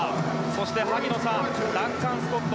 そして、萩野さんダンカン・スコット